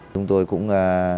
chúng tôi cũng